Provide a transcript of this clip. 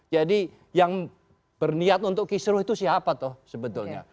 jadi yang berniat untuk kisruh itu siapa tuh sebetulnya